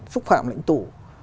xúc phạm lãnh tụ